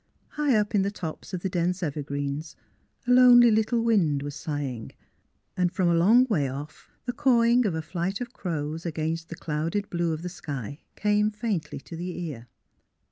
High up in the tops of the dense evergreens a lonely little wind was sighing, and from a long way oif the cawing of a flight of crows against the clouded blue of the, sky came faintly to the ear.